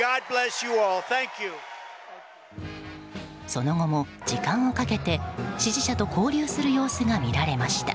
その後も、時間をかけて支持者と交流する様子が見られました。